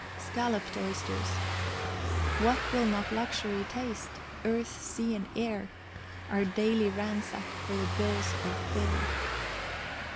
SCALLOPED OYSTERS. What will not luxury taste? Earth, sea, and air, Are daily ransack'd for the bills of fare.